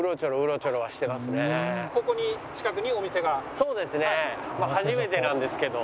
そうですね。